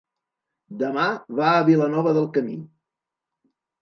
Demà va a Vilanova del Camí.